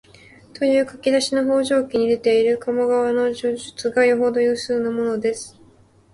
という書き出しの「方丈記」に出ている鴨川の叙述がよほど有数なものです